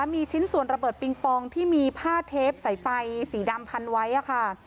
มีชิ้นส่วนระเบิดปิงปองที่มีผ้าเทปใส่ไฟสีดำพันไว้ค่ะ